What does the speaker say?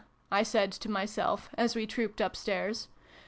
I said to myself as we trooped upstairs.